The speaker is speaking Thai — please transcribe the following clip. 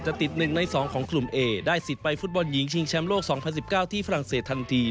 จะติดหนึ่งในสองของกลุ่มเอได้สิทธิ์ไปฟุตบอลหญิงชิงแชมป์โลกสองพันสิบเก้าที่ฝรั่งเศสทันที